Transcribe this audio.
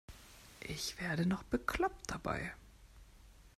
Ich werde noch bekloppt dabei.